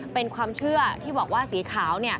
เป็นความเชื่อที่บอกว่าสีขาว